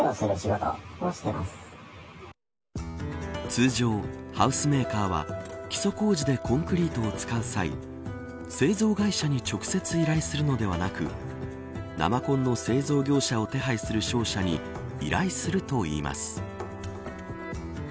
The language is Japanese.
通常、ハウスメーカーは基礎工事でコンクリートを使う際製造会社に直接依頼するのではなく生コンの製造業者を手配する商社に依頼するといいます。